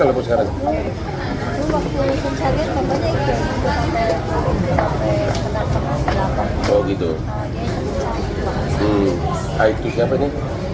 ini banyak pihak terima kasih kepada